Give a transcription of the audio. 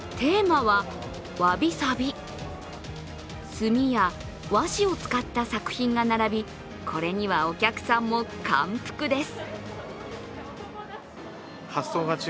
墨や和紙を使った作品が並び、これにはお客さんも感服です。